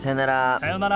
さようなら。